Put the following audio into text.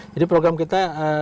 jadi program kita